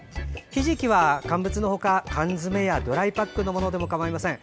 ひじきは乾物の他缶詰やドライパックのものでも構いません。